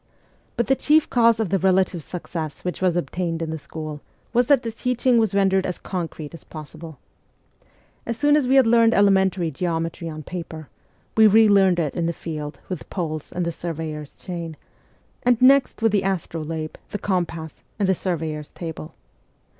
But the chief cause of the relative success which was obtained in the school was that the teaching was rendered as concrete as possible. As soon as we had learned elementary geometry on paper, we re learned it in the field with poles and the surveyor's chain, and next with the astrolabe, the compass, and the surveyor's table.